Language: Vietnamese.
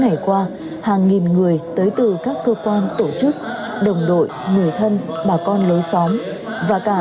ngày qua hàng nghìn người tới từ các cơ quan tổ chức đồng đội người thân bà con lối xóm và cả